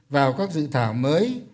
vào các dự thảo mới